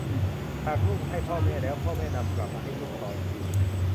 หากลูกให้พ่อแม่แล้ว พ่อแม่นำกลับมาให้ลูกต่ออีกที